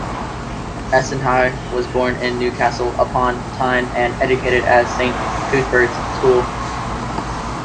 Essenhigh was born in Newcastle upon Tyne and educated at Saint Cuthbert's School.